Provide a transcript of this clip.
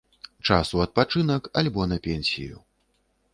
Час у адпачынак альбо на пенсію.